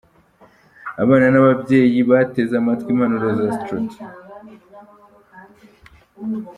Abana nn'ababyeyi bateze amatwi impanuro za Straton.